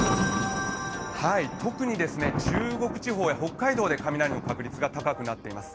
はい、特に中国地方や北海道で雷の確率が高くなっています。